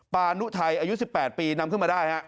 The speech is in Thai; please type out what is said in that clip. ปานุไทยอายุ๑๘ปีนำขึ้นมาได้ฮะ